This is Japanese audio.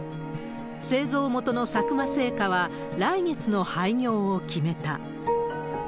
製造元の佐久間製菓は来月の廃業を決めた。